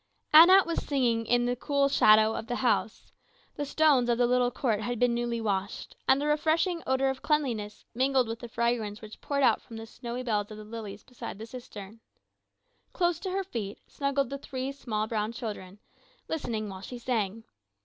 Anat was spinning in the cool shadow of the house; the stones of the little court had been newly washed, and a refreshing odor of cleanliness mingled with the fragrance which poured out from the snowy bells of the lilies beside the cistern. Close to her feet snuggled the three small brown children, listening while she sang.